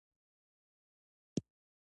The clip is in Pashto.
د مڼې شیره د زړه لپاره وکاروئ